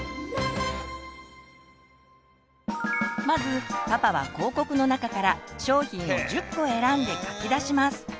まずパパは広告の中から商品を１０個選んで書き出します。